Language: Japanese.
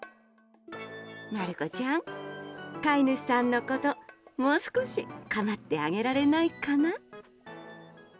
まる子ちゃん飼い主さんのこともう少し構ってあげられないかな？